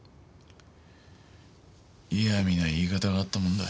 嫌味な言い方があったもんだ。